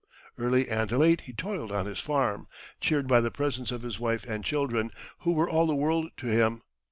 Early and late he toiled on his farm, cheered by the presence of his wife and children, who were all the world to him.